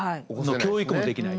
教育もできない。